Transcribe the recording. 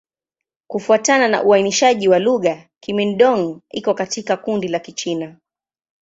Kufuatana na uainishaji wa lugha, Kimin-Dong iko katika kundi la Kichina.